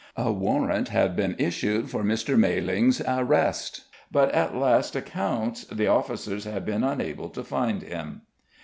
A warrant had been issued for Mr. Malling's arrest; but at last accounts the officers had been unable to find him.